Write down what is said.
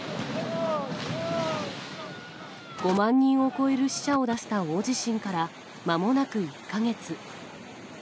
５万人を超える死者を出した大地震からまもなく１か月。